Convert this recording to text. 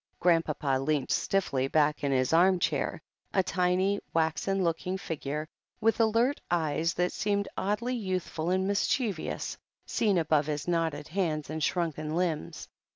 Grandpapa leant stiffly back in his arm chair, a tiny, waxen looking figure, with alert eyes that seemed oddly youthful and mischievous, seen above his knotted hands and shrtmken limbs.